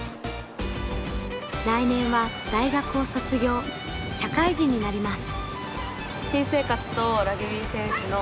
来年は大学を卒業社会人になります。